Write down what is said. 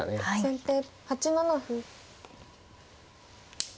先手８七歩。